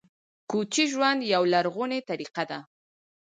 کوچي ژوند یوه لرغونې طریقه ده